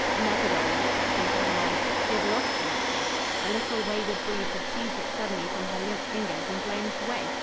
Another worry had crept into her mind. She had lost the letter. A little, wayward breeze had seized it suddenly from her limp fingers and blown it away.